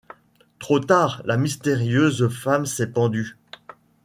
Trop tard: la mystérieuse femme s'est pendue.